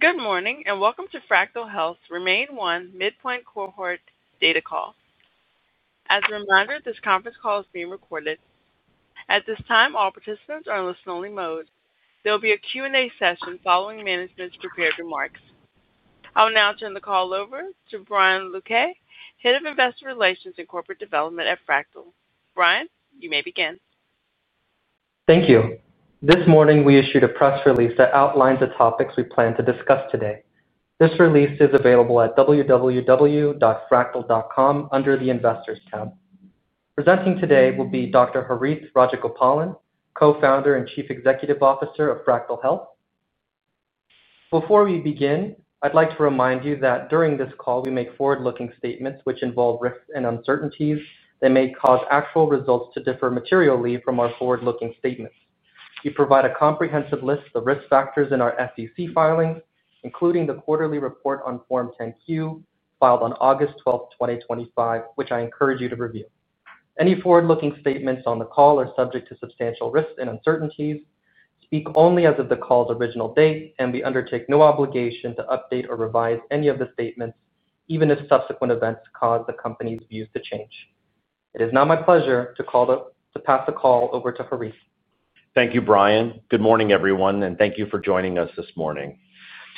Good morning and welcome to Fractyl Health's REMAIN1 midpoint cohort data call. As a reminder, this conference call is being recorded at this time. All participants are in listen only mode. There will be a Q and A session following Management's prepared remarks. I will now turn the call over to Brian Luque, Head of Investor Relations and Corporate Development at Fractyl. Brian, you may begin. Thank you. This morning we issued a press release that outlines the topics we plan to discuss today. This release is available at www.fractyl.com under the Investors tab. Presenting today will be Dr. Harith Rajagopalan, Co-Founder and Chief Executive Officer of Fractyl Health. Before we begin, I'd like to remind you that during this call we make forward-looking statements which involve risks and uncertainties that may cause actual results to differ materially from our forward-looking statements. We provide a comprehensive list of risk factors in our SEC filing, including the quarterly report on Form 10-Q filed on August 12, 2025, which I encourage you to review. Any forward-looking statements on the call are subject to substantial risks and uncertainties, speak only as of the call's original date, and we undertake no obligation to update or revise any of the statements, even if subsequent events cause the company's views to change. It is now my pleasure to pass the call over to Harith. Thank you, Brian. Good morning everyone and thank you for joining us this morning.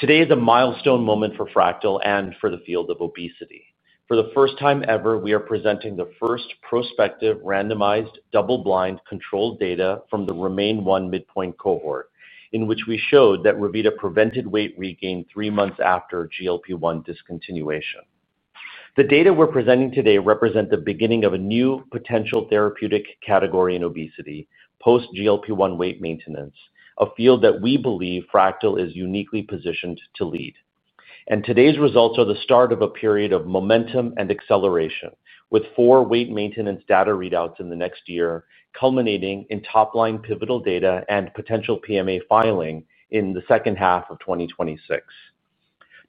Today is a milestone moment for Fractyl and for the field of obesity. For the first time ever, we are presenting the first prospective randomized double-blind control data from the REMAIN1 midpoint cohort in which we showed that Revita prevented weight regain three months after GLP-1 discontinuation. The data we're presenting today represent the beginning of a new potential therapeutic category in obesity post GLP-1 weight maintenance, a field that we believe Fractyl is uniquely positioned to lead. Today's results are the start of a period of momentum and acceleration with four weight maintenance data readouts in the next year, culminating in top line pivotal data and potential PMA filing in the second half of 2026.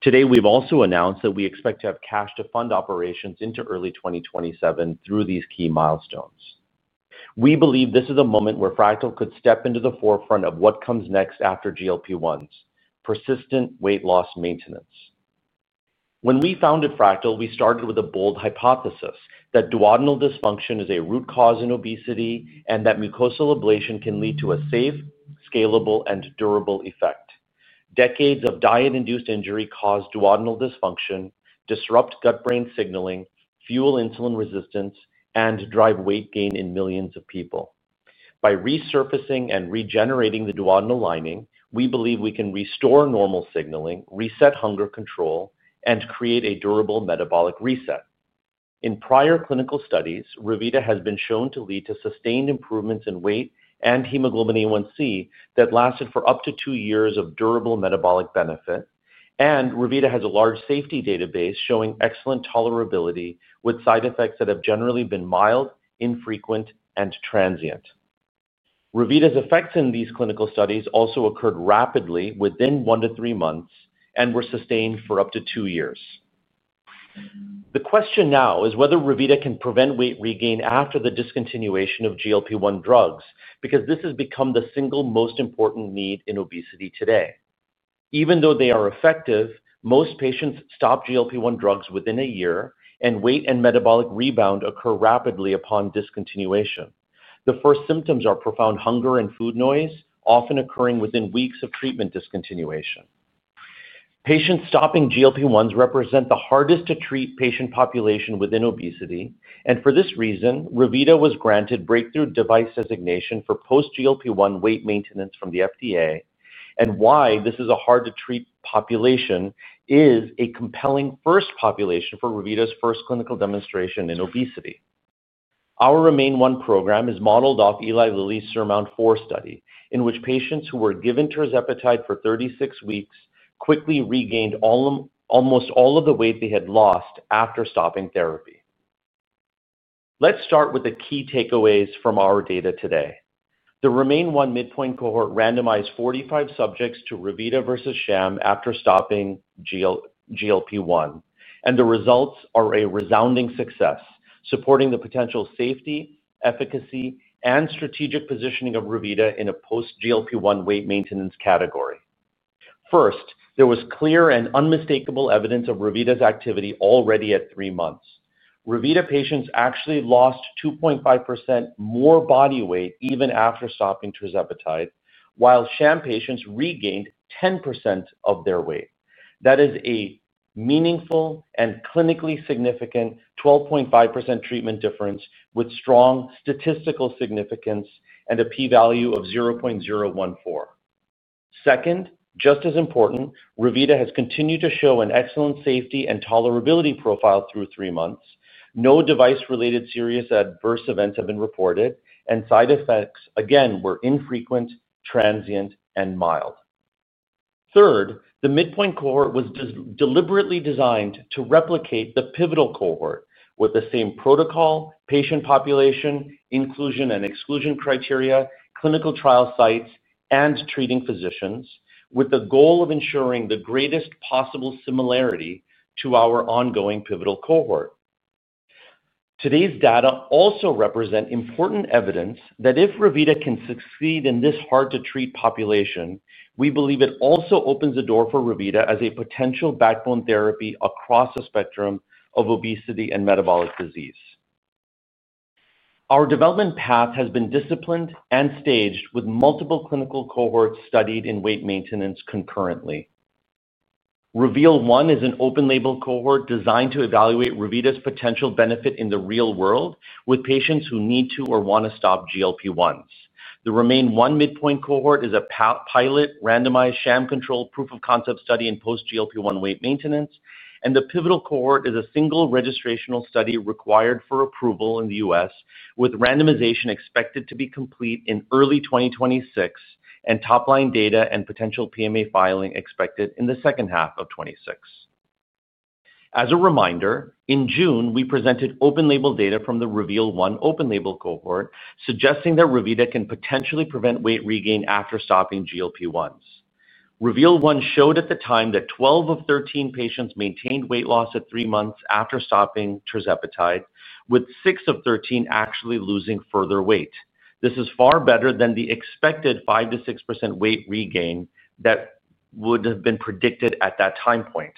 Today we've also announced that we expect to have cash to fund operations into early 2027 through these key milestones. We believe this is a moment where Fractyl could step into the forefront of what comes next after GLP-1's persistent weight loss maintenance. When we founded Fractyl, we started with a bold hypothesis that duodenal dysfunction is a root cause in obesity and that mucosal ablation can lead to a safe, scalable, and durable effect. Decades of diet-induced injury cause duodenal dysfunction, disrupt gut-brain signaling, fuel insulin resistance, and drive weight gain in millions of people. By resurfacing and regenerating the duodenal lining, we believe we can restore normal signaling, reset hunger control, and create a durable metabolic reset. In prior clinical studies, Revita has been shown to lead to sustained improvements in weight and hemoglobin A1C that lasted for up to two years of durable metabolic benefit, and Revita has a large safety database showing excellent tolerability with side effects that have generally been mild, infrequent, and transient. Revita's effects in these clinical studies also occurred rapidly within one to three months and were sustained for up to two years. The question now is whether Revita can prevent weight regain after the discontinuation of GLP-1 drugs because this has become the single most important need in obesity today. Even though they are effective, most patients stop GLP-1 drugs within a year and weight and metabolic rebound occur rapidly upon discontinuation. The first symptoms are profound hunger and food noise, often occurring within weeks of treatment discontinuation. Patients stopping GLP-1s represent the hardest to treat patient population within obesity, and for this reason Revita was granted FDA Breakthrough Device designation for post-GLP-1 weight maintenance from the FDA. Why this is a hard to treat population is a compelling first population for Revita's first clinical demonstration in obesity. Our REMAIN-1 program is modeled off Eli Lilly's SURMOUNT-4 study, in which patients who were given tirzepatide for 36 weeks quickly regained almost all of the weight they had lost after stopping therapy. Let's start with the key takeaways from our data today. The REMAIN-1 midpoint cohort randomized 45 subjects to Revita versus sham after stopping GLP-1, and the results are a resounding success, supporting the potential safety, efficacy, and strategic positioning of Revita in a post-GLP-1 weight maintenance category. First, there was clear and unmistakable evidence of Revita's activity already at 3 months. Revita patients actually lost 2.5% more body weight even after stopping tirzepatide, while sham patients regained 10% of their weight. That is a meaningful and clinically significant 12.5% treatment difference with strong statistical significance and a p value of 0.014. Second, just as important, Revita has continued to show an excellent safety and tolerability profile through three months. No device-related serious adverse events have been reported, and side effects again were infrequent, transient, and mild. Third, the midpoint cohort was deliberately designed to replicate the pivotal cohort with the same protocol, patient population inclusion and exclusion criteria, clinical trial sites, and treating physicians, with the goal of ensuring the greatest possible similarity to our ongoing pivotal cohort. Today's data also represent important evidence that if Revita can succeed in this hard to treat population, we believe it also opens the door for Revita as a potential backbone therapy across the spectrum of obesity and metabolic disease. Our development path has been disciplined and staged, with multiple clinical cohorts studied in weight maintenance concurrently. REVEAL-1 is an open-label cohort designed to evaluate Revita's potential benefit in the real world with patients who need to or want to stop GLP-1s. The REMAIN-1 midpoint cohort is a pilot randomized, sham-controlled proof of concept study in post-GLP-1 weight maintenance, and the pivotal cohort is a single registrational study required for approval in the U.S. With randomization expected to be complete in early 2026 and top line data and potential PMA filing expected in 2H26. As a reminder, in June we presented open label data from the RVL1 open label cohort suggesting that Revita can potentially prevent weight regain after stopping GLP-1s. Reveal 1 showed at the time that 12 of 13 patients maintained weight loss at 3 months after stopping tirzepatide with 6 of 13 actually losing further weight. This is far better than the expected 5 to 6% weight regain that would have been predicted at that time point.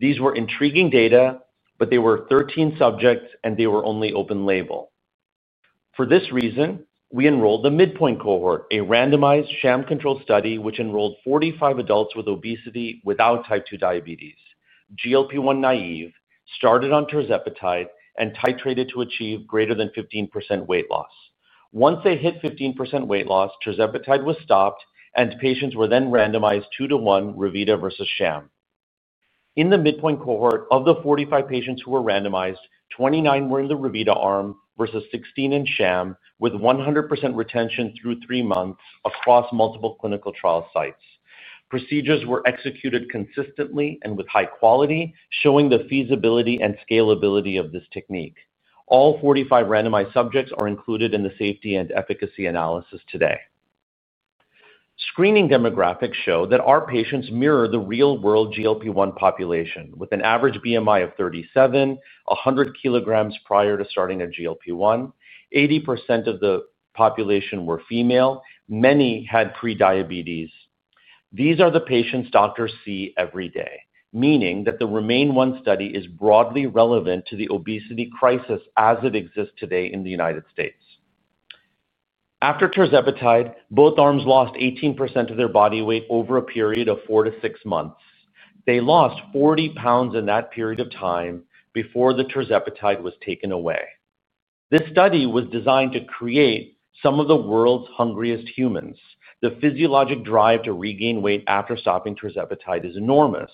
These were intriguing data, but they were 13 subjects and they were only open label. For this reason we enrolled the midpoint cohort, a randomized, sham-controlled study which enrolled 45 adults with obesity without type 2 diabetes. GLP-1 naive started on tirzepatide and titrated to achieve greater than 15% weight loss. Once they hit 15% weight loss, tirzepatide was stopped and patients were then randomized 2 to 1 Revita vs Sham in the midpoint cohort. Of the 45 patients who were randomized, 29 were in the Revita arm vs 16 in Sham with 100% retention through 3 months across multiple clinical trial sites. Procedures were executed consistently and with high quality and showing the feasibility and scalability of this technique. All 45 randomized subjects are included in the safety and efficacy analysis today. Screening demographics show that our patients mirror the real world GLP-1 population with an average BMI of 37.100 kg. Prior to starting a GLP-1, 80% of the population were female. Many had prediabetes. These are the patients doctors see every day, meaning that the Remain One study is broadly relevant to the obesity crisis as it exists today in the United States. After tirzepatide, both arms lost 18% of their body weight over a period of four to six months. They lost 40 pounds in that period of time before the tirzepatide was taken away. This study was designed to create some of the world's hungriest humans. The physiologic drive to regain weight after stopping tirzepatide is enormous.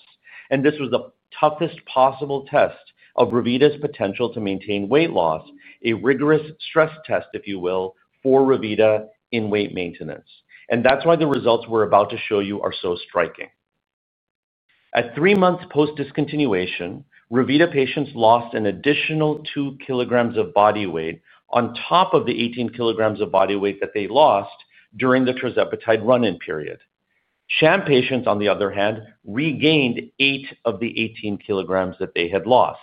This was the toughest possible test of Revita's potential to maintain weight loss. A rigorous stress test, if you will, for Revita in weight maintenance. That is why the results we're about to show you are so striking. At three months post discontinuation, Revita patients lost an additional 2 kg of body weight on top of the 18 kg of body weight that they lost during the tirzepatide run-in period. Sham patients, on the other hand, regained 8 of the 18 kg that they had lost.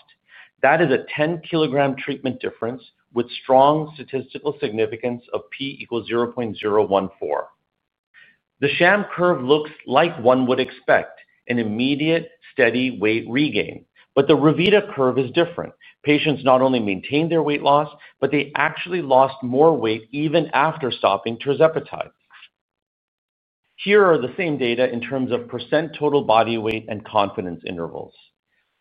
That is a 10 kg treatment difference with strong statistical significance of P = 0.014. The sham curve looks like one would expect, an immediate steady weight regain. The Revita curve is different. Patients not only maintained their weight loss, but they actually lost more weight even after stopping tirzepatide. Here are the same data in terms of % total body weight and confidence intervals.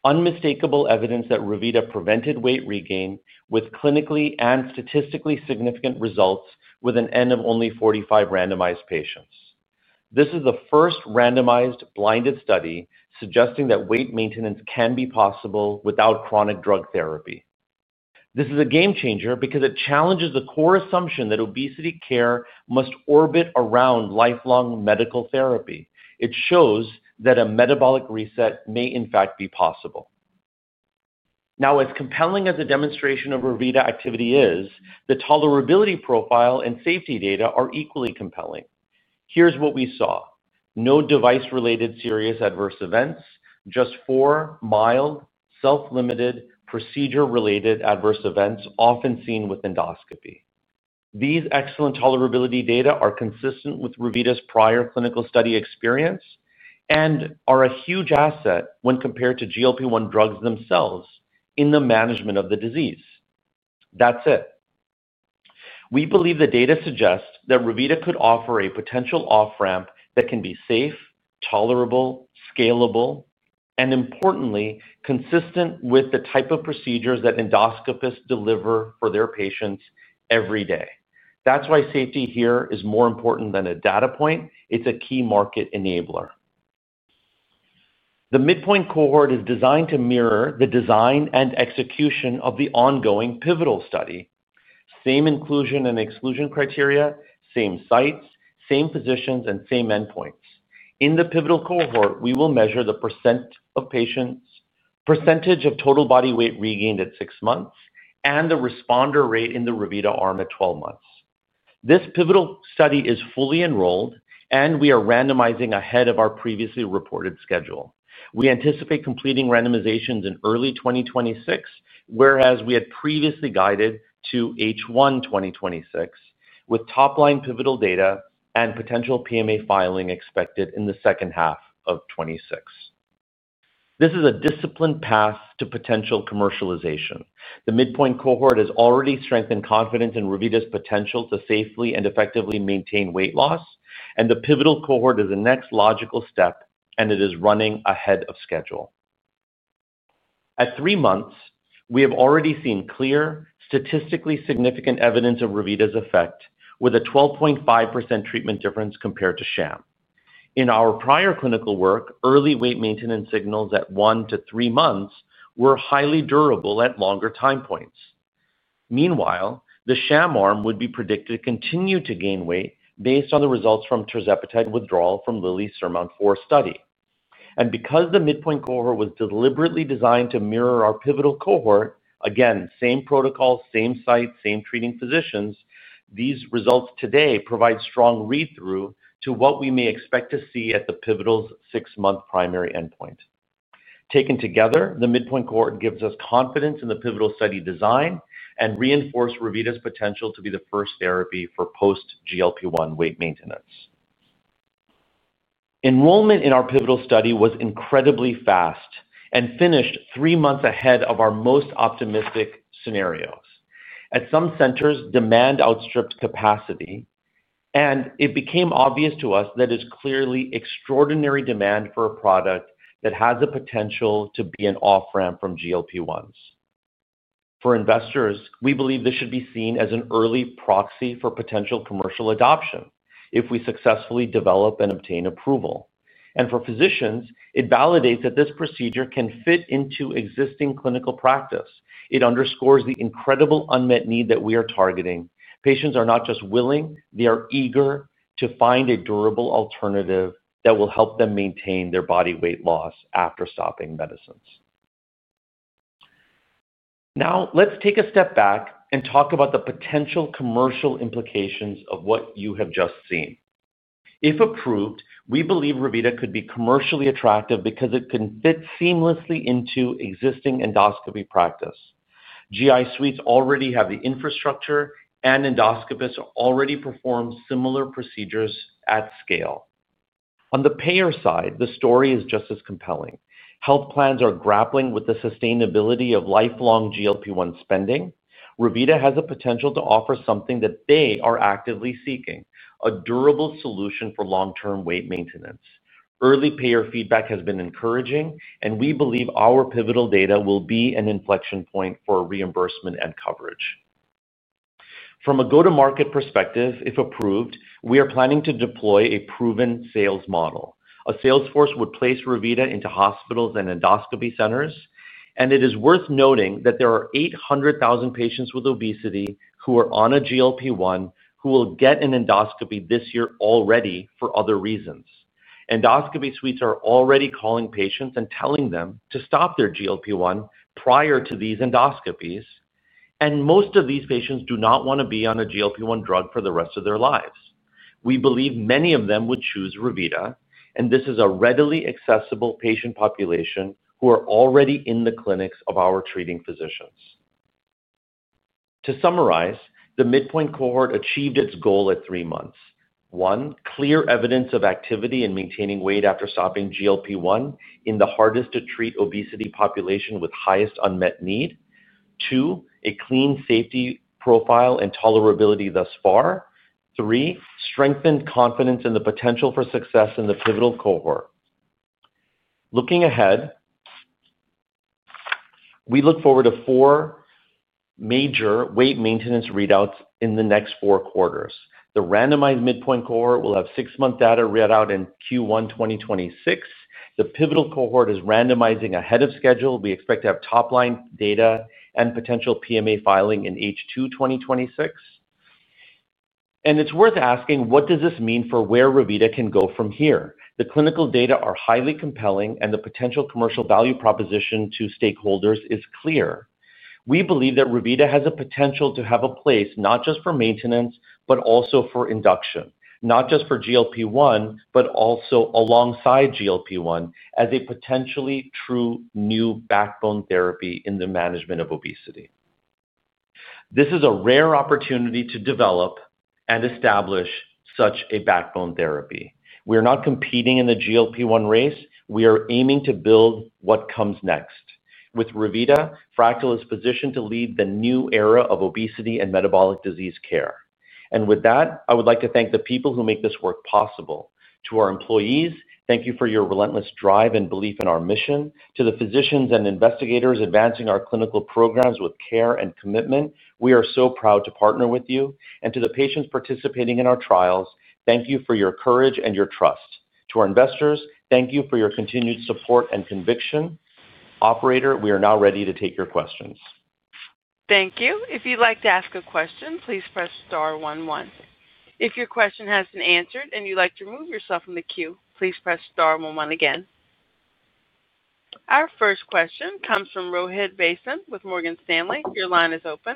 Unmistakable evidence that Revita prevented weight regain with clinically and statistically significant results. With an n of only 45 randomized patients, this is the first randomized, double-blind study suggesting that weight maintenance can be possible without chronic drug therapy. This is a game changer because it challenges the core assumption that obesity care must orbit around lifelong medical therapy. It shows that a metabolic reset may in fact be possible. As compelling as a demonstration of Revita activity is, the tolerability profile and safety data are equally compelling. Here's what we saw. No device-related serious adverse events. Just four mild, self-limited, procedure-related adverse events often seen with endoscopy. These excellent tolerability data are consistent with Revita's prior clinical study experience and are a huge asset when compared to GLP-1 drugs themselves in the management of the disease. We believe the data suggests that Revita could offer a potential off ramp that can be safe, tolerable, scalable, and importantly, consistent with the type of procedures that endoscopists deliver for their patients. Every day, that's why safety here is more important than a data point. It's a key market enabler. The midpoint cohort is designed to mirror the design and execution of the ongoing pivotal study. Same inclusion and exclusion criteria, same sites, same physicians, and same endpoints. In the pivotal cohort, we will measure the % of patients, % of total body weight regained at six months, and the responder rate in the Revita arm at 12 months. This pivotal study is fully enrolled and we are randomizing ahead of our previously reported schedule. We anticipate completing randomizations in early 2026, whereas we had previously guided to H1 2026. With top line pivotal data and potential PMA filing expected in 2H 2026, this is a disciplined path to potential commercialization. The midpoint cohort has already strengthened confidence in Revita's potential to safely and effectively maintain weight loss, and the pivotal cohort is the next logical step. It is running ahead of schedule at three months. We have already seen clear, statistically significant evidence of Revita's effect with a 12.5% treatment difference compared to sham. In our prior clinical work, early weight maintenance signals at one to three months were highly durable at longer time points. Meanwhile, the sham arm would be predicted to continue to gain weight based on the results from tirzepatide withdrawal from Lilly's SURMOUNT-4 study and because the midpoint cohort was deliberately designed to mirror our pivotal cohort—again, same protocol, same site, same treating physicians. These results today provide strong read-through to what we may expect to see at the pivotal's six-month primary endpoint. Taken together, the midpoint cohort gives us confidence in the pivotal study design and reinforces Revita's potential to be the first therapy for post-GLP-1 weight maintenance. Enrollment in our pivotal study was incredibly fast and finished three months ahead of our most optimistic scenarios. At some centers, demand outstripped capacity, and it became obvious to us that there is clearly extraordinary demand for a product that has the potential to be an off-ramp from GLP-1s. For investors, we believe this should be seen as an early proxy for potential commercial adoption if we successfully develop and obtain approval. For physicians, it validates that this procedure can fit into existing clinical practice. It underscores the incredible unmet need that we are targeting. Patients are not just willing, they are eager to find a durable alternative that will help them maintain their body weight loss after stopping medicines. Now let's take a step back and talk about the potential commercial implications of what you have just seen. If approved, we believe Revita could be commercially attractive because it can fit seamlessly into existing endoscopy practice. GI suites already have the infrastructure, and endoscopists already perform similar procedures at scale. On the payer side, the story is just as compelling. Health plans are grappling with the sustainability of lifelong GLP-1 spending. Revita has the potential to offer something that they are actively seeking—a durable solution for long-term weight maintenance. Early payer feedback has been encouraging and we believe our pivotal data will be an inflection point for reimbursement and coverage from a go to market perspective. If approved, we are planning to deploy a proven sales model. A sales force would place Revita into hospitals and endoscopy centers, and it is worth noting that there are 800,000 patients with obesity who are on a GLP-1 who will get an endoscopy this year already for other reasons. Endoscopy suites are already calling patients and telling them to stop their GLP-1 prior to these endoscopies, and most of these patients do not want to be on a GLP-1 drug for the rest of their lives. We believe many of them would choose Revita, and this is a readily accessible patient population who are already in the clinics of our treating physicians. To summarize, the midpoint cohort achieved its goal at 3 months: 1. clear evidence of activity in maintaining weight after stopping GLP-1 in the hardest to treat obesity population with highest unmet need, 2. a clean safety profile and tolerability thus far, 3. strengthened confidence in the potential for success in the pivotal cohort. Looking ahead, we look forward to four major weight maintenance readouts in the next four quarters. The randomized midpoint cohort will have six month data read out in Q1 2026. The pivotal cohort is randomizing ahead of schedule. We expect to have top line data and potential PMA filing in H2 2026, and it's worth asking what does this mean for where Revita can go from here? The clinical data are highly compelling, and the potential commercial value proposition to stakeholders is clear. We believe that Revita has a potential to have a place not just for maintenance but also for induction. Not just for GLP-1 but also alongside GLP-1 as a potentially true new backbone therapy in the management of obesity. This is a rare opportunity to develop and establish such a backbone therapy. We are not competing in the GLP-1 race. We are aiming to build what comes next. With Revita, Fractyl Health is positioned to lead the new era of obesity and metabolic disease care, and with that I would like to thank the people who make this work possible. To our employees, thank you for your relentless drive and belief in our mission. To the physicians and investigators advancing our clinical programs with care and commitment, we are so proud to partner with you, and to the patients participating in our trials, thank you for your courage and your trust. To our investors, thank you for your continued support and conviction. Operator, we are now ready to take your questions. Thank you. If you'd like to ask a question, please press star 11. If your question has been answered and you'd like to remove yourself from the queue, please press star 11 again. Our first question comes from Rohid Basin with Morgan Stanley. Your line is open.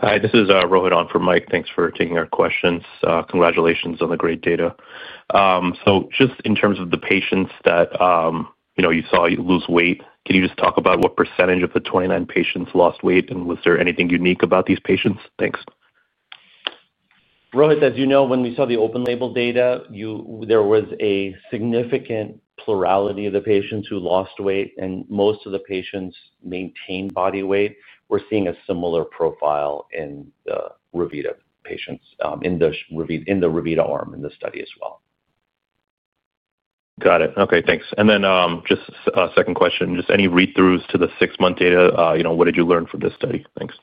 Hi, this is Rohit on from Mike. Thanks for taking our questions. Congratulations on the great data. Just in terms of the patients that you saw lose weight, can you just talk about what % of the 29 patients lost weight and was there anything unique about these patients? Thanks, Rohit. As you know, when we saw the open label data, there was a significant plurality of the patients who lost weight and most of the patients maintained body weight. We're seeing a similar profile in the Revita patients, in the RM in the study as well. Got it. Okay, thanks. Just a second question, any read throughs to the six month data. What did you learn from this study? Thanks.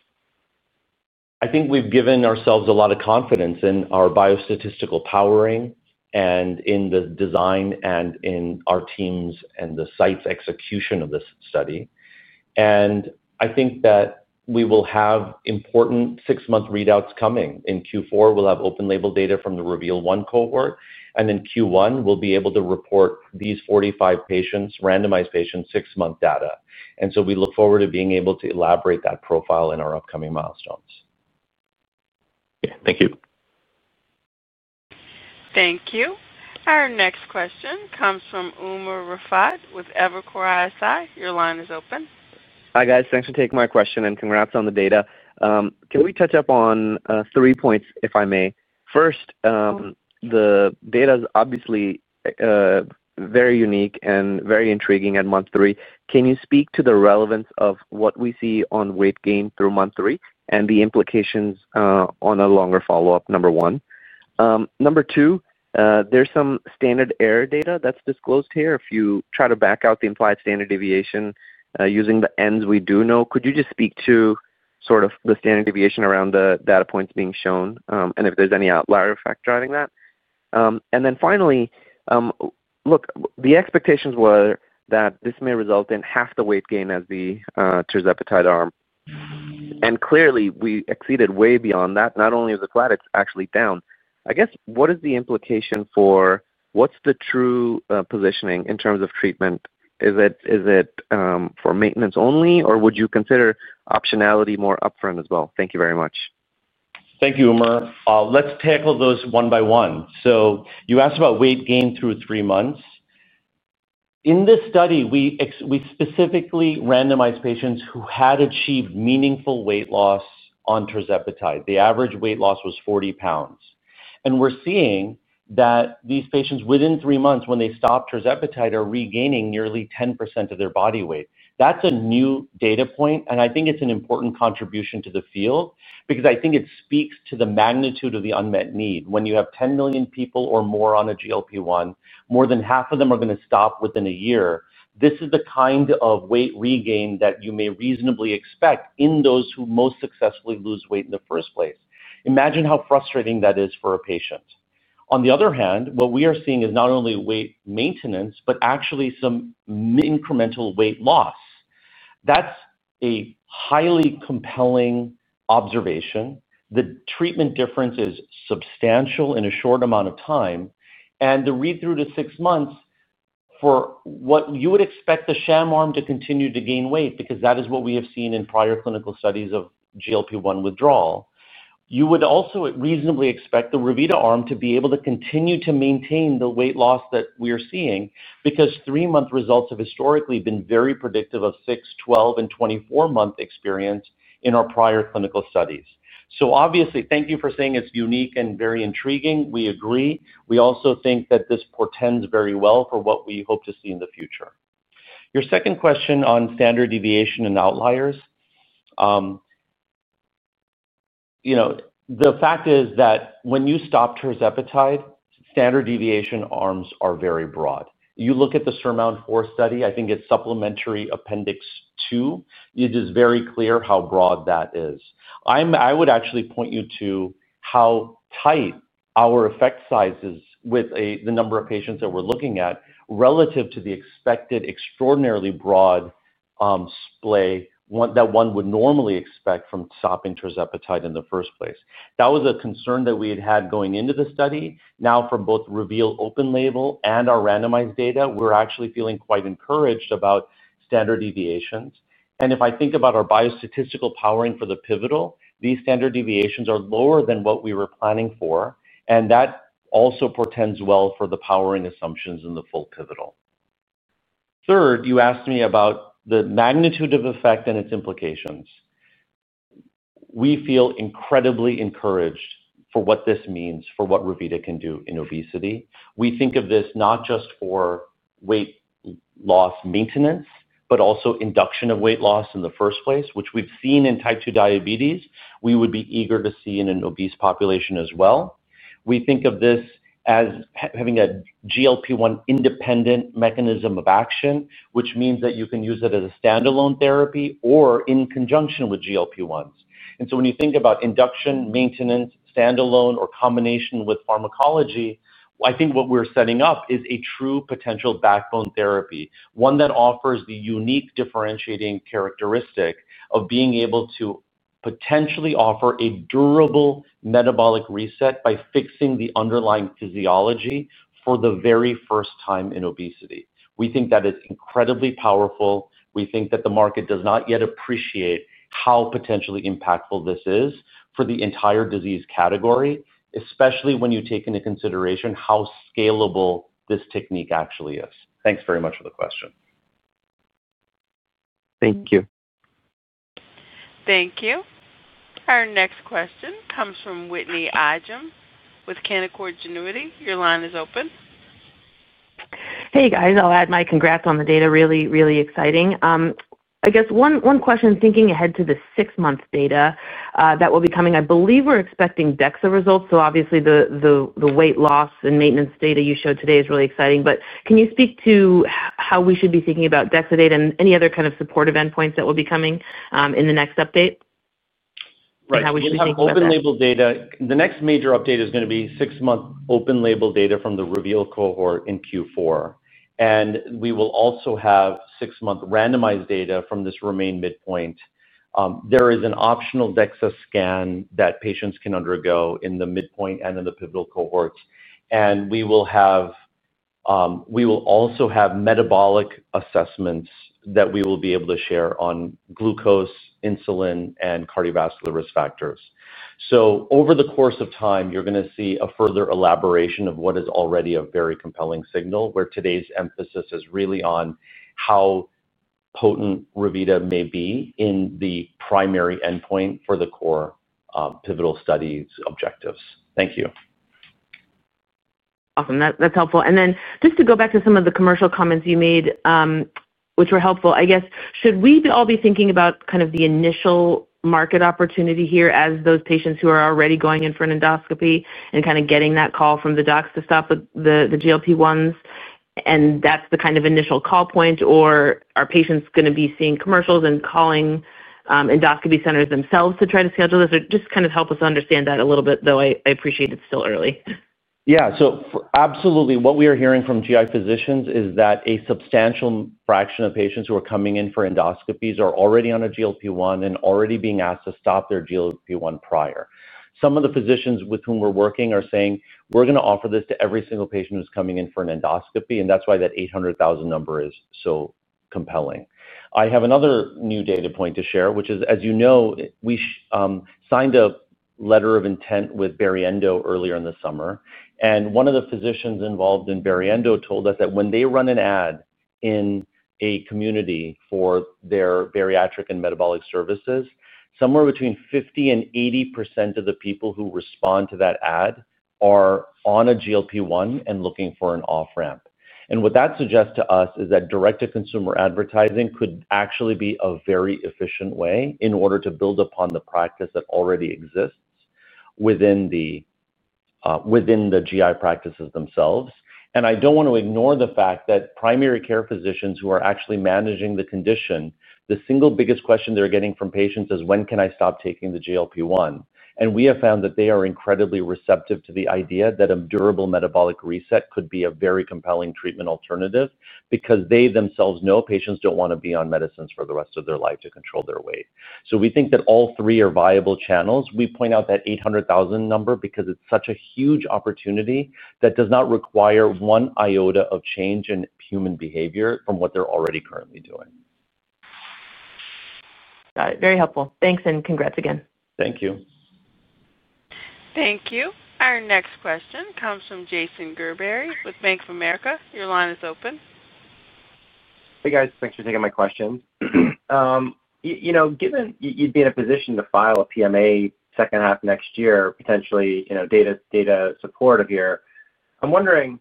I think we've given ourselves a lot of confidence in our biostatistical powering and in the design and in our teams and the site's execution of this study. I think that we will have important six month readouts coming. In Q4 we'll have open label data from the Reveal 1 cohort and in Q1 we'll be able to report these 45 patients, randomized patients, six month data. We look forward to being able to elaborate that profile in our upcoming milestones. Thank you. Thank you. Our next question comes from Umar Rafat with Evercore ISI. Your line is open. Hi guys, thanks for taking my question and congrats on the data. Can we touch up on three points if I may? First, the data is obviously very unique and very intriguing. At month three, can you speak to the relevance of what we see on weight gain through month three and the implications on a longer follow up? Number one. Number two, there's some standard error data that's disclosed here. If you try to back out the implied standard deviation using the ends we do know, could you just speak to sort of the standard deviation around the data points being shown and if there's any outlier effect driving that. Finally, the expectations were that this may result in half the weight gain as the tirzepatide arm and clearly we exceeded way beyond that. Not only is the colatics actually down, I guess what is the implication for what's the true positioning in terms of treatment? Is it for maintenance only or would you consider optionality more upfront as well? Thank you very much. Thank you Umar. Let's tackle those one by one. You asked about weight gain through three months. In this study we specifically randomized patients who had achieved meaningful weight loss on tirzepatide. The average weight loss was 40 pounds. We're seeing that these patients, within three months when they stop tirzepatide, are regaining nearly 10% of their body weight. That's a new data point and I think it's an important contribution to the field because I think it speaks to the magnitude of the unmet need. When you have 10 million people or more on a GLP-1, more than half of them are going to stop within a year. This is the kind of weight regain that you may reasonably expect in those who most successfully lose weight in the first place. Imagine how frustrating that is for a patient. On the other hand, what we are seeing is not only weight loss maintenance, but actually some incremental weight loss. That's a highly compelling observation. The treatment difference is substantial in a short amount of time and the read through to six months for what you would expect the sham arm to continue to gain weight because that is what we have seen in prior clinical studies of GLP-1 withdrawal. You would also reasonably expect the RM to be able to continue to maintain the weight loss that we are seeing because three month results have historically been very predictive of 6, 12 and 24 month experience in our prior clinical studies. Thank you for saying it's unique and very intriguing. We agree. We also think that this portends very well for what we hope to see in the future. Your second question on standard deviation and outliers. The fact is that when you stop tirzepatide, standard deviation arms are very broad. You look at the SURMOUNT-4 study, I think it's supplementary appendix 2. It is very clear how broad that is. I would actually point you to how tight our effect size is with the number of patients that we're looking at relative to the expected extraordinarily broad splay that one would normally expect from stopping tirzepatide in the first place. That was a concern that we had had going into the study. Now for both REVEAL open label and our randomized data, we're actually feeling quite encouraged about standard deviations. If I think about our biostatistical powering for the pivotal, these standard deviations are lower than what we were planning for and that also portends well for the powering assumptions in the full pivotal. Third, you asked me about the magnitude of effect and its implications. We feel incredibly encouraged for what this means for what Revita can do in obesity. We think of this not just for weight loss maintenance, but also induction of weight loss in the first place, which we've seen in type 2 diabetes we would be eager to see in an obese population as well. We think of this as having a GLP-1 independent mechanism of action, which means that you can use it as a standalone therapy or in conjunction with GLP-1. When you think about induction, maintenance, standalone, or combination with pharmacology, I think what we're setting up is a true potential backbone therapy, one that offers the unique differentiating characteristic of being able to potentially offer a durable metabolic reset by fixing the underlying physiology for the very first time in obesity. We think that it's incredibly powerful. We think that the market does not yet appreciate how potentially impactful this is for the entire disease category, especially when you take into consideration how scalable this technique actually is. Thanks very much for the question. Thank you. Thank you. Our next question comes from Whitney Glad Ijem with Canaccord Genuity Corp. Your line is open. Hey guys, I'll add my congrats on the data. Really, really exciting. I guess one question thinking ahead to the six month data that will be coming, I believe we're expecting DEXA results. Obviously the weight loss and maintenance data you showed today is really exciting. Can you speak to how we should be thinking about DEXA data and any other kind of supportive endpoints that will be coming in the next update. Right, how we should be talking about open label data. The next major update is going to be six-month open label data from the Reveal cohort in Q4. We will also have six-month randomized data from this Remain midpoint. There is an optional DEXA scan that patients can undergo in the midpoint and in the pivotal cohorts. We will also have metabolic assessments that we will be able to share on glucose, insulin, and cardiovascular risk factors. Over the course of time you're going to see a further elaboration of what is already a very compelling signal. Today's emphasis is really on how potent Revita may be in the primary endpoint for the core pivotal studies objectives. Thank you. That's helpful. Just to go back to some of the commercial comments you made, which were helpful, should we all be thinking about kind of the initial market opportunity here as those patients who are already going in for an endoscopy and kind of getting that call from the docs to stop the GLP-1s, and that's the kind of initial call point, or are patients going to be seeing commercials and calling endoscopy centers themselves to try to schedule this? Just kind of help us understand that a little bit, though. I appreciate it's still early. Yeah. Absolutely. What we are hearing from GI physicians is that a substantial fraction of patients who are coming in for endoscopies are already on a GLP-1 and already being asked to stop their GLP-1 prior. Some of the physicians with whom we're working are saying, we're going to offer this to every single patient who's coming in for an endoscopy. That's why that 800,000 number is so compelling. I have another new data point to share, which is, as you know, we signed a letter of intent with Barry Endo earlier in the summer, and one of the physicians involved in Barry Endo told us that when they run an ad in a community for their bariatric and metabolic services, somewhere between 50% and 80% of the people who respond to that ad are on a GLP-1 and looking for an off ramp. What that suggests to us is that direct to consumer advertising could actually be a very efficient way in order to build upon the practice that already exists within the GI practices themselves. I don't want to ignore the fact that primary care physicians who are actually managing the condition, the single biggest question they're getting from patients is, when can I stop taking the GLP-1? We have found that they are incredibly receptive to the idea that a durable metabolic reset could be a very compelling treatment alternative because they themselves know patients don't want to be on medicines for the rest of their life to control their weight. We think that all three are viable channels. We point out that 800,000 number because it's such a huge opportunity that does not require one iota of change in human behavior from what they're already currently doing. Very helpful. Thanks and congrats again. Thank you. Thank you. Our next question comes from Jason Matthew Gerberry with BofA Securities. Your line is open. Hey, guys, thanks for taking my question. You know, given you'd be in a position to file a PMA second half next year potentially. You know, data support of your I'm wondering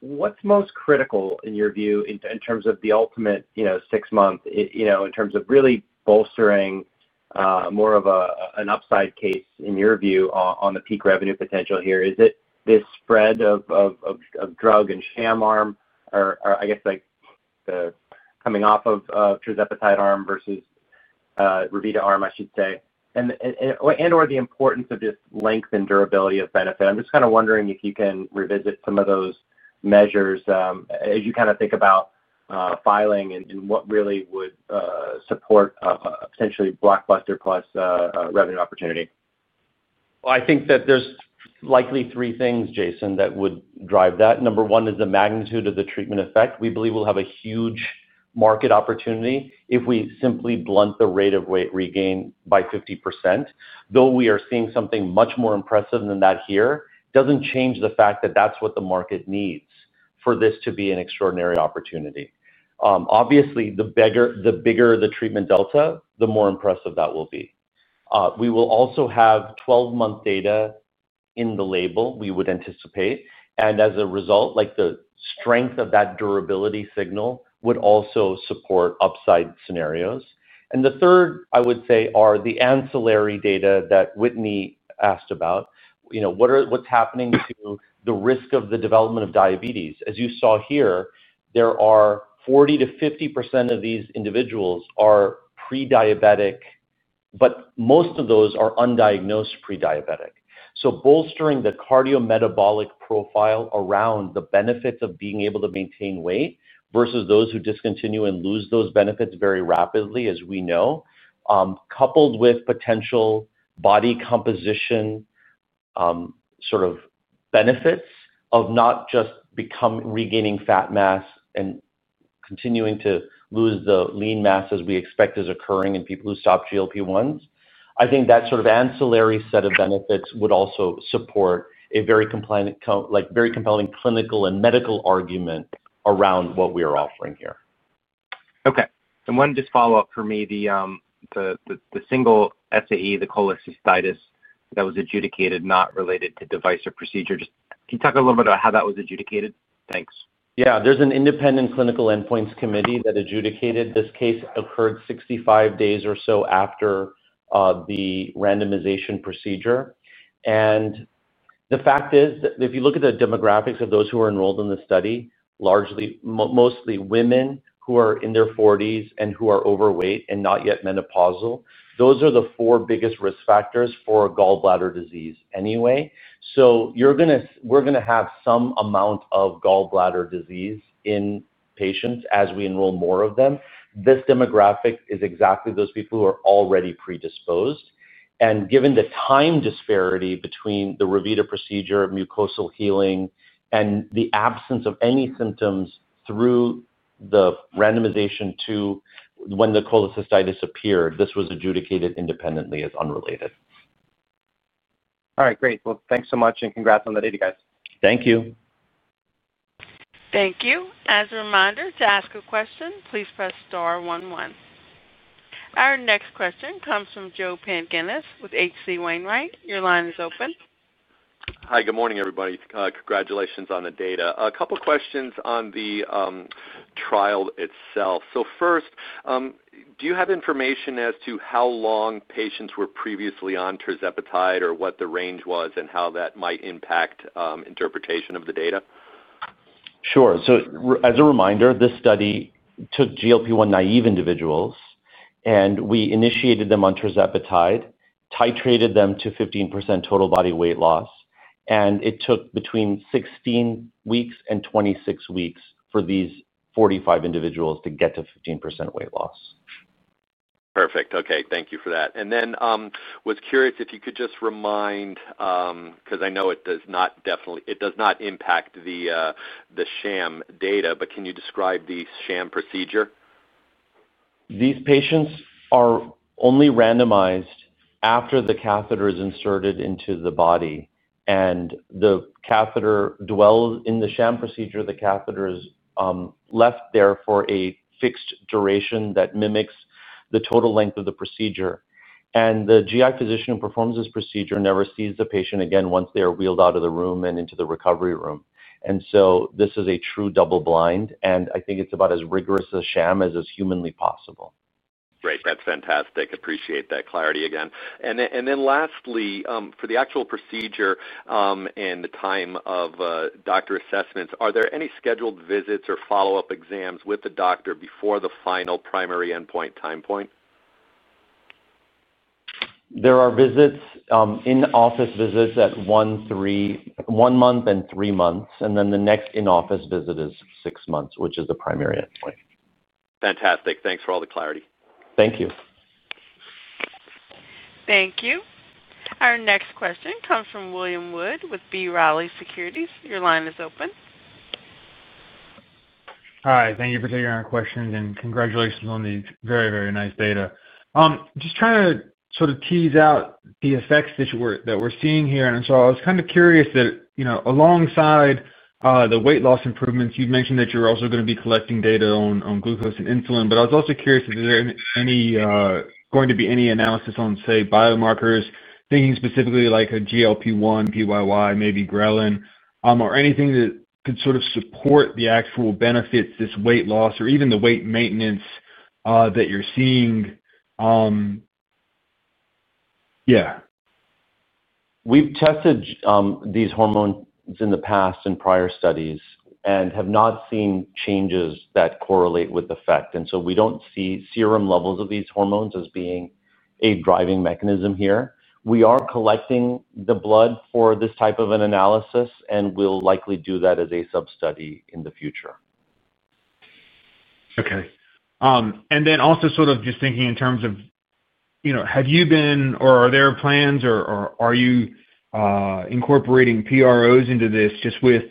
what's most critical in your view in terms of the ultimate six month in terms of really bolstering more of an upside case in your view on the peak revenue potential here. Is it this spread of drug and sham arm or I guess coming off of tirzepatide arm versus Revita arm I should say and the importance of just length and durability of benefit. I'm just kind of wondering if you can revisit some of those measures as you kind of think about filing and what really would support potentially blockbuster plus revenue opportunity. I think that there's likely three things, Jason, that would drive that. Number one is the magnitude of the treatment effect. We believe we'll have a huge market opportunity if we simply blunt the rate of weight regain by 50%. Though we are seeing something much more impressive than that here. It doesn't change the fact that that's what the market needs for this to be an extraordinary opportunity. Obviously, the bigger the treatment delta, the more impressive that will be. We will also have 12 month data in the label we would anticipate, and as a result, the strength of that durability signal would also support upside scenarios. The third, I would say, are the ancillary data that Whitney asked about. You know, what's happening to the risk of the development of diabetes. As you saw here, 40 to 50% of these individuals are pre diabetic, but most of those are undiagnosed pre diabetic. So bolstering the cardiometabolic profile around the benefits of being able to maintain weight versus those who discontinue and lose those benefits very rapidly as we know, coupled with potential body composition sort of benefits of not just regaining fat mass and continuing to lose the lean mass as we expect is occurring in people who stop GLP-1. I think that sort of ancillary set of benefits would also support a very compelling clinical and medical argument around what we are offering here. Okay, and one just follow up for me. The single SAE, the cholecystitis that was adjudicated not related to device or procedure. Just can you talk a little bit about how that was adjudicated? Thanks. Yeah, there's an independent clinical endpoints committee that adjudicated this case occurred 65 days or so after the randomization procedure. The fact is if you look at the demographics of those who are enrolled in the study, mostly women who are in their 40s and who are overweight and not yet menopausal. Those are the four biggest risk factors for gallbladder disease anyway, so we're going to have some amount of gallbladder disease in patients as we enroll more of them. This demographic is exactly those people who are already predisposed. Given the time disparity between the R procedure, mucosal healing, and the absence of any symptoms through the randomization to when the cholecystitis appeared, this was adjudicated independently as unrelated. Great. Thanks so much and congrats on the data, guys. Thank you. Thank you. As a reminder, to ask a question, please press star 11. Our next question comes from Joe Panginis with HC Wainwright. Your line is open. Hi. Good morning everybody. Congratulations on the data. A couple questions on the trial itself. First, do you have information as to how long patients were previously on tirzepatide or what the range was and how that might impact interpretation of the data? Sure. As a reminder, this study took GLP-1 naive individuals, and we initiated them on tirzepatide, titrated them to 15% total body weight loss, and it took between 16 weeks and 26 weeks for these 45 individuals to get to 15% weight loss. Perfect. Thank you for that. I was curious if you could just remind, because I know it does not, definitely it does not impact the sham data, but can you describe the sham procedure? These patients are only randomized after the catheter is inserted into the body and the catheter dwells in the sham procedure. The catheter is left there for a fixed duration that mimics the total length of the procedure. The GI physician who performs this procedure never sees the patient again once they are wheeled out of the room and into the recovery room. This is a true double-blind and I think it's about as rigorous a sham as is humanly possible. Great. That's fantastic. Appreciate that clarity again. Lastly, for the actual procedure and the time of doctor assessments, are there any scheduled visits or follow up exams with the doctor before the final primary endpoint time point? There are visits in office, visits at 1 month and 3 months and then the next in office visit is 6 months, which is the primary endpoint. Fantastic. Thanks for all the clarity. Thank you. Thank you. Our next question comes from William McKinnie Wood with B. Riley Securities. Your line is open. Hi, thank you for taking our questions and congratulations on the very, very nice data. Just trying to sort of tease out the effects that we're seeing here. I was kind of curious that, you know, alongside the weight loss improvements you mentioned that you're also going to be collecting data on glucose and insulin. I was also curious if there are going to be any analysis on, say, biomarkers, thinking specifically like a GLP-1, PYY, maybe ghrelin or anything that could sort of support the actual benefits of this weight loss or even the weight maintenance that you're seeing. Yeah, we've tested these hormones in the past in prior studies and have not seen changes that correlate with effect. We don't see serum levels of these hormones as being a driving mechanism. Here we are collecting the blood for this type of an analysis, and we'll likely do that as a sub study in the future. Okay. Also, just thinking in terms of, you know, have you been or are there plans or are you incorporating PROs into this? Just with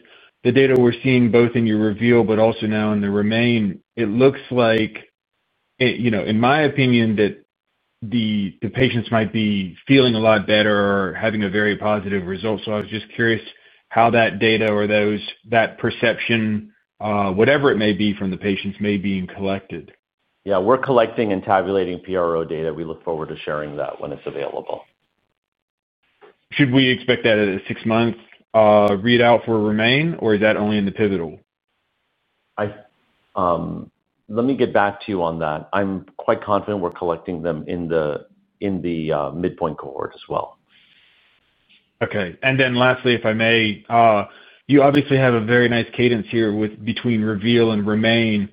the data we're seeing both in your Revita but also now in the Remain, it looks like, you know, in my opinion that the patients might be feeling a lot better or having a very positive result. I was just curious how that. Data or that perception, whatever it may be from the patients, may be being collected. Yeah, we're collecting and tabulating PRO data. We look forward to sharing that when it's available. Should we expect that at a six month readout for Revita or is that only in the pivotal. Let me get back to you on that. I'm quite confident we're collecting them in the midpoint cohort as well. Okay. Lastly, if I may, you obviously have a very nice cadence here between Reveal and Remain,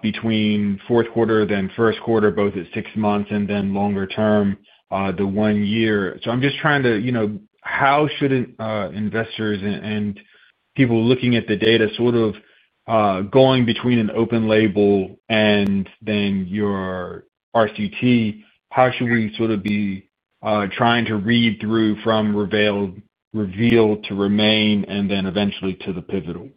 between fourth quarter, then first quarter, both at six months and then longer term, the one year. I'm just trying to, you know, how should investors and people looking at the data sort of going between an open label and then your RCT, how should we sort of be trying to read through from Reveal to Remain and then eventually to the pivotal?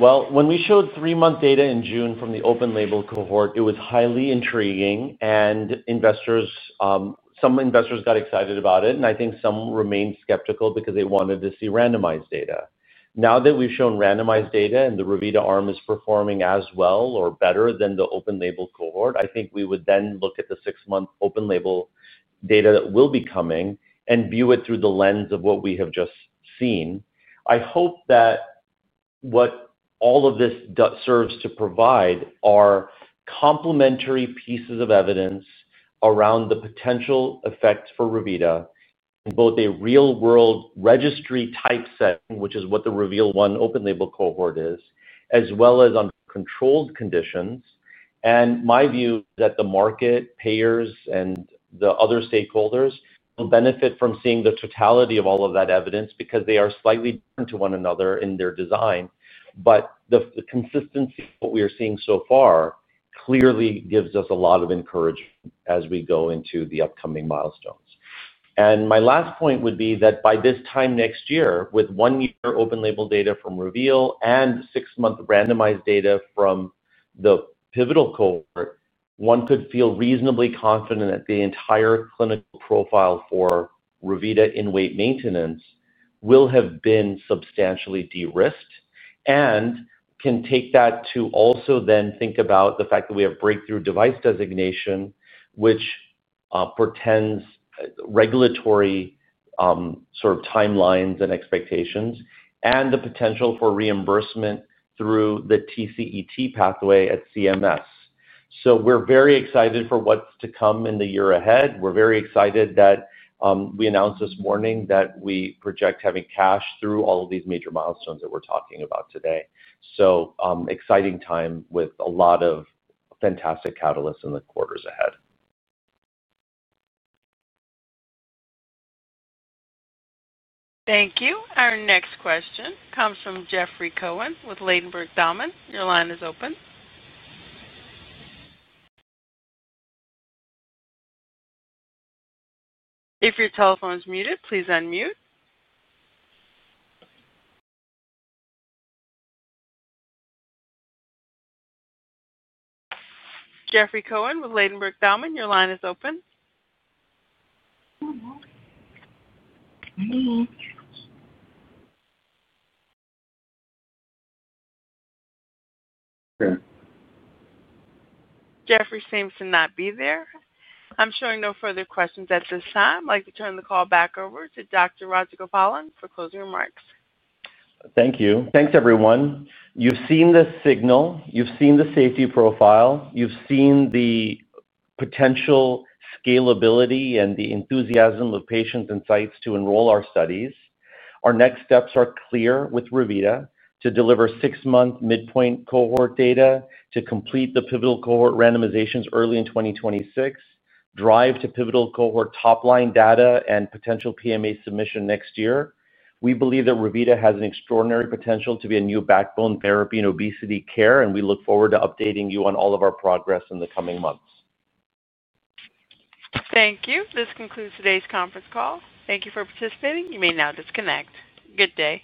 When we showed three month data in June from the open label cohort, it was highly intriguing and investors, some investors got excited about it and I think some remained skeptical because they wanted to see randomized data. Now that we've shown randomized data and the Revita arm is performing as well or better than the open label cohort, I think we would then look at the six month open label data that will be coming and view it through the lens of what we have just seen. I hope that what all of this serves to provide are complementary pieces of evidence around the potential effects for Revita. Both a real world registry type set, which is what the REVEAL one open label cohort is, as well as under controlled conditions, and my view that the market, payers, and the other stakeholders will benefit from seeing the totality of all of that evidence because they are slightly different to one another in their design, but the consistency of what we are seeing so far clearly gives us a lot of encouragement as we go into the upcoming milestones. My last point would be that by this time next year, with one year open label data from REVEAL and six month randomized data from the pivotal cohort, one could feel reasonably confident that the entire clinical profile for Revita in weight maintenance will have been substantially de-risked and can take that to also then think about the fact that we have Breakthrough Device designation, which portends regulatory sort of timelines and expectations and the potential for reimbursement through the TCET pathway at CMS. We're very excited for what's to come in the year ahead. We're very excited that we announced this morning that we project having cash through all of these major milestones that we're talking about today. Exciting time with a lot of fantastic catalysts in the quarters ahead. Thank you. Our next question comes from Jeffrey Scott Cohen with Ladenburg Thalmann & Co. Inc. Your line is open. If your telephone is muted, please unmute. Jeffrey Scott Cohen with Ladenburg Thalmann & Co. Inc. Your line is open. Jeffrey seems to not be there. I'm showing no further questions at this time. I'd like to turn the call back over to Dr. Harith Rajagopalan for closing remarks. Thank you. Thanks everyone. You've seen the signal. You've seen the safety profile. You've seen the potential scalability and the enthusiasm of patients and sites to enroll our studies. Our next steps are clear with Revita to deliver six-month midpoint cohort data, to complete the pivotal cohort randomizations early in 2026, drive to pivotal cohort top line data, and potential PMA submission next year. We believe that Revita has extraordinary potential to be a new backbone therapy in obesity care, and we look forward to updating you on all of our progress in the coming months. Thank you. This concludes today's conference call. Thank you for participating. You may now disconnect. Good day.